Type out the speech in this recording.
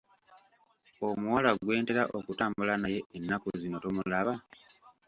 Omuwala gwe ntera okutambula naye ennaku zino tomulaba?